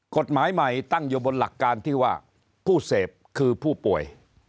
กฎหมายใหม่ตั้งอยู่บนหลักการที่ว่าผู้เสพคือผู้ป่วย